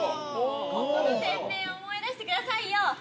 ◆ここの店名を思い出してくださいよ。